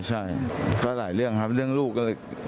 ใช่ก็หลายเรื่องครับเรื่องลูกก็เลย